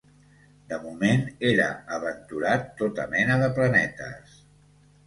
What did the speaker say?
De moment era aventurat tota mena de planetes